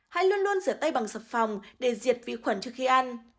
hãy luôn luôn rửa tay bằng sập phòng để diệt vi khuẩn trước khi ăn